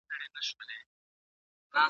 که دې د سترگو له سکروټو نه فناه واخلمه